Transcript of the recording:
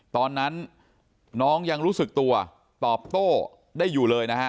ตอนนั้นน้องยังรู้สึกตัวตอบโต้ได้อยู่เลยนะฮะ